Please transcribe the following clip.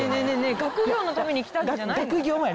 学業のために来たんじゃないの？